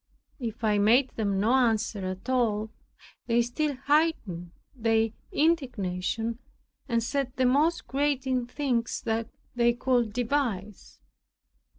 If I made them no answer at all, they still heightened their indignation, and said the most grating things they could devise.